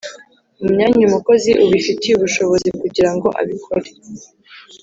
Mu myanya umukozi ubifitiye ubushobozi kugira ngo abikore